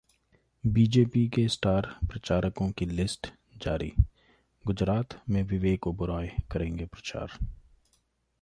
BJP के star प्रचारकों की लिस्ट जारी, गुजरात में विवेक ओबरॉय करेंगे प्रचार